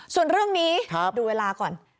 ส่วนเรื่องนี้ดูเวลาก่อน